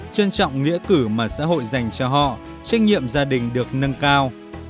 trân trọng nghĩa cử mà xã hội dành cho họ trách nhiệm gia đình được nâng cao